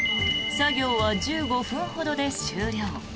作業は１５分ほどで終了。